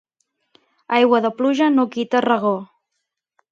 Aigua de pluja no quita regor.